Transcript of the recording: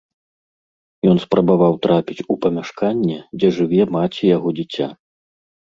Ён спрабаваў трапіць у памяшканне, дзе жыве маці яго дзіця.